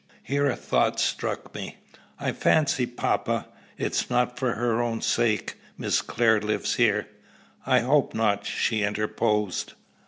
Here a thought struck me. "I fancy, papa, it is not for her own sake Miss Clare lives here." "I hope not," she interposed.